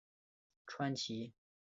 川崎市目前由七个区构成。